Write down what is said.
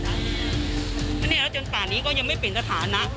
พอไหนแล้วจนตอนนี้ก็ยังไม่เปลี่ยนสถานะ